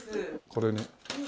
これね。